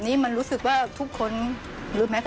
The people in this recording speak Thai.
สวัสดีครับ